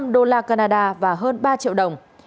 một trăm linh đô la canada và hơn ba triệu đồng